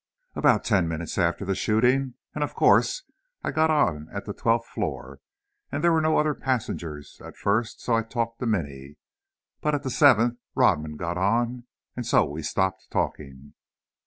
"About ten minutes after the shooting and of course I got on at the twelfth floor, and there were no other passengers at first, so I talked to Minny. But at the seventh Rodman got on, and so we stopped talking."